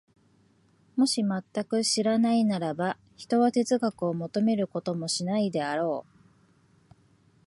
もし全く知らないならば、ひとは哲学を求めることもしないであろう。